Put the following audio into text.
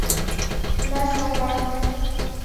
Мә салбарың!